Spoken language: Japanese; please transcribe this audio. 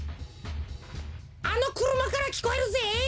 あのくるまからきこえるぜ。